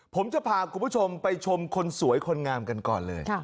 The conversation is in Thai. ผมจะพาคุณผู้ชมไปชมคนสวยคนงามกันก่อนเลย